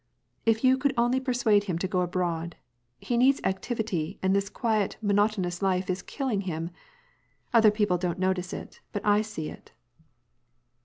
If you could only persuade him to go abroad. He needs activity, and this quiet, monotonous life is killing him. Other people don't notice it, but I see it."